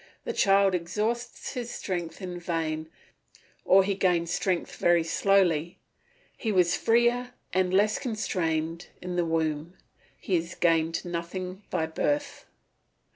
The child exhausts his strength in vain struggles, or he gains strength very slowly. He was freer and less constrained in the womb; he has gained nothing by birth.